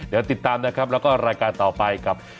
เดี๋ยวติดตามนะครับแล้วก็รายการต่อไปกับ